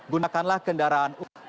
gunakanlah kendaraan umum